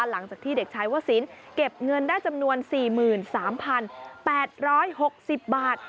หลังจากที่เด็กชายวสินเก็บเงินได้จำนวน๔๓๘๖๐บาท